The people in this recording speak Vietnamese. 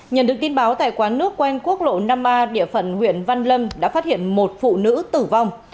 nhận được tin báo tại quán nước quen quốc lộ năm a địa phận huyện văn lâm đã phát hiện một phụ nữ tử vong